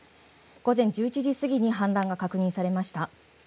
午前１１時過ぎに氾濫が確認されました。